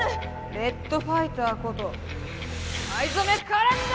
レッドファイターこと藍染カレンだ！